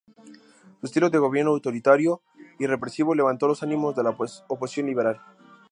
Su estilo de gobierno autoritario y represivo levantó los ánimos de la oposición liberal.